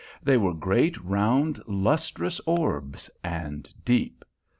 They were great round lustrous orbs, and deep.